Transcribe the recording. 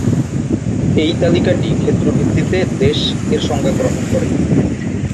এই তালিকাটি ক্ষেত্র ভিত্তিতে "দেশ"-এর সংজ্ঞা গ্রহণ করে।